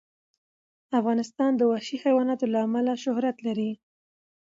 افغانستان د وحشي حیواناتو له امله شهرت لري.